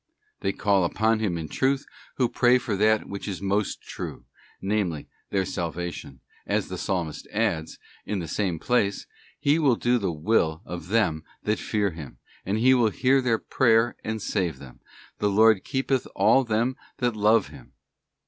+ They call upon Him in truth who pray for that which is most true, namely, their salvation, as the Psalmist adds, in the same place, ' He will do the will of them that fear Him, and He will hear their prayer and save them. The Lord keepeth all them that love Him.